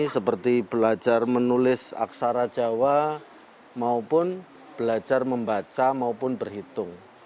seperti belajar menulis aksara jawa maupun belajar membaca maupun berhitung